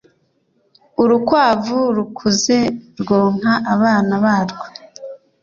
urukwavu rukuze rwonka abana barwo